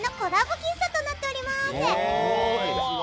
喫茶となっております！